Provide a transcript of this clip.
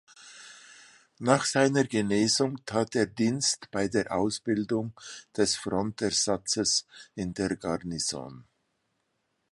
Nach seiner Genesung tat er Dienst bei der Ausbildung des Frontersatzes in der Garnison.